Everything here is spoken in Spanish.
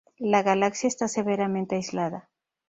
La galaxia está severamente aislada.